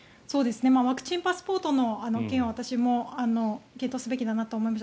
ワクチンパスポートの件は私も検討するべきだと思います。